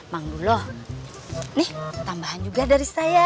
mangdulo nih tambahan juga dari saya